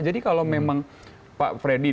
jadi kalau memang pak fredy